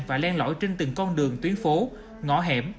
và len lõi trên từng con đường tuyến phố ngõ hẻm